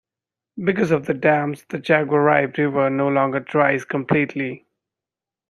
Because of the dams, the Jaguaribe River no longer dries up completely.